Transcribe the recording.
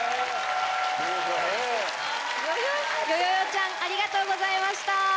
ちゃんありがとうございました。